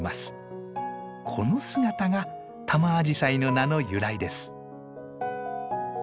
この姿がタマアジサイの名の由来です。